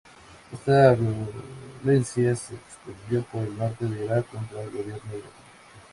Esta violencia se expandió por el norte de Irak contra el gobierno iraquí.